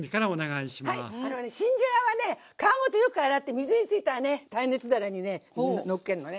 新じゃがはね皮ごとよく洗って水ついたらね耐熱皿にねのっけるのね。